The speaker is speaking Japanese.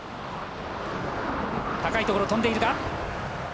高いところを飛んでいる。